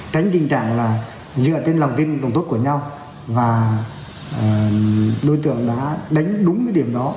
tránh tình trạng là dựa trên lòng tin đồng tốt của nhau và đối tượng đã đánh đúng cái điểm đó